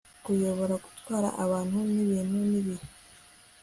kuyobora, gutwara abantu n'ibintu n'ibihe